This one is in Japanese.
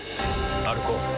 歩こう。